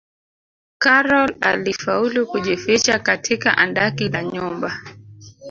karol alifaulu kujificha katika andaki la nyumba